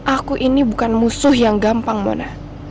aku ini bukan musuh yang gampang mona